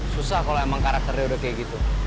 susah kalau emang karakternya udah kayak gitu